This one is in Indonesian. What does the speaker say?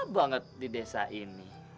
banget di desa ini